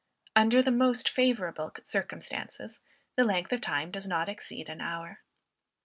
Under the most favourable circumstances, the length of time does not exceed an hour.